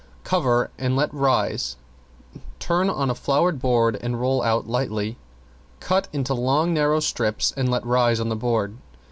Cover and let rise light, turn on to a floured board and roll out lightly. Cut into long narrow strips and let rise on the board.